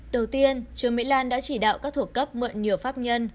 đầu tiên trương mỹ lan đã chỉ đạo các thuộc cấp mượn nhiều pháp nhân